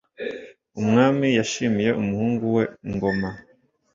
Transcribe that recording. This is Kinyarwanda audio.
Umwami yashimiye umuhungu we Ngoma